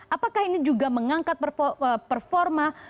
apakah ini juga mengangkat performa